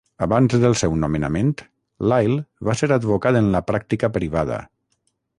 Abans del seu nomenament, Lyle va ser advocat en la pràctica privada.